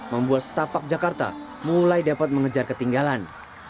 membuat setapak jakarta mulai dapat mengejar ketinggalan